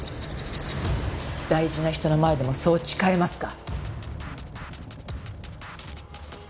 大事な人の前でもそう誓えますか？